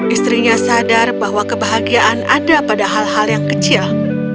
istrinya sadar bahwa kebahagiaan ada pada hal hal yang kecil